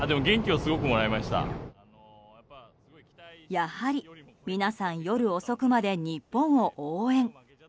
やはり皆さん夜遅くまで日本を応援。